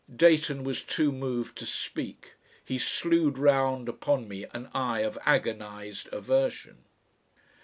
Dayton was too moved to speak. He slewed round upon me an eye of agonised aversion.